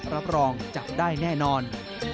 รับรองจับได้แน่นอน